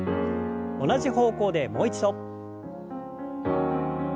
同じ方向でもう一度。